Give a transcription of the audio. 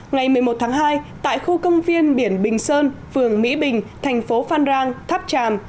ngày một mươi một tháng hai tại khu công viên biển bình sơn phường mỹ bình thành phố phan rang tháp tràm